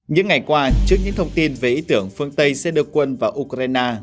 những ngày qua trước những thông tin về ý tưởng phương tây sẽ đưa quân vào ukraine